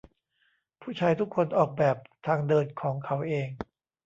ผู้ชายทุกคนออกแบบทางเดินของเขาเอง